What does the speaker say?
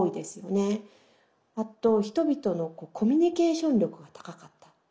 あと人々のコミュニケーション力が高かった。